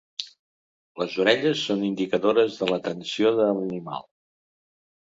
Les orelles són indicadors de l’atenció de l’animal.